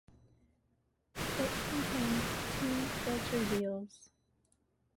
It contains two filter wheels.